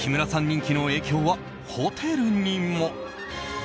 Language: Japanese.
人気の影響はホテルにも。